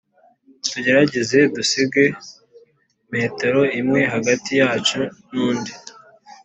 Tugerageze dusige metero imwe yahati yacu n’undi